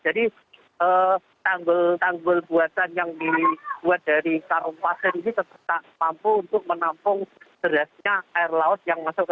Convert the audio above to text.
jadi tanggul tanggul buatan yang dibuat dari karun pasir ini tetap tak mampu untuk menampung jelasnya air laut yang masuk